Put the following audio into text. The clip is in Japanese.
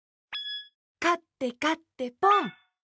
かってかってポン！